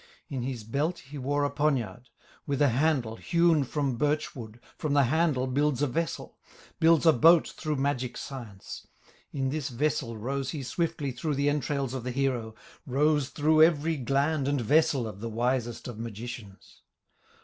In his belt he wore a poniard, With a handle hewn from birch wood, From the handle builds a vessel, Builds a boat through magic science; In this vessel rows he swiftly Through the entrails of the hero, Rows through every gland and vessel Of the wisest of magicians.